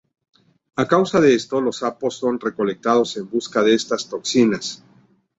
A causa de esto, los sapos son recolectados en busca de estas toxinas.